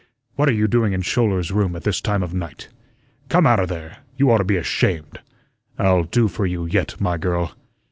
What are you doing in Schouler's room at this time of night? Come outa there; you oughta be ashamed. I'll do for you yet, my girl.